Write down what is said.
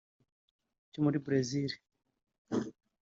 cyo muri Bresil